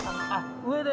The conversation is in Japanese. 上で。